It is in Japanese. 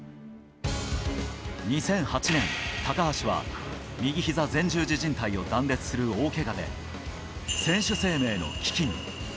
２００８年、高橋は右ひざ前十字靭帯を断裂する大けがで、選手生命の危機に。